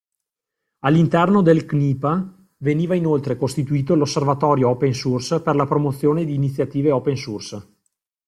All'interno del CNIPA veniva inoltre costituito l'Osservatorio Open Source per la promozione di iniziative open source.